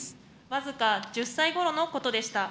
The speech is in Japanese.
僅か１０歳ごろのことでした。